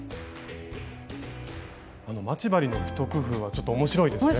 待ち針の一工夫はちょっと面白いですね。